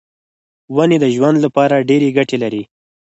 ونې د ژوند لپاره ډېرې ګټې لري.